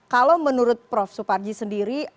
kalau menurut prof suparji sendiri